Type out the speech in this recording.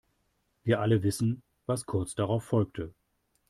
Wir alle wissen, was kurz darauf folgte.